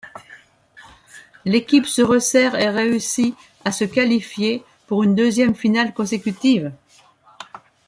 L’équipe se ressert et réussit à se qualifier pour une deuxième finale consécutive.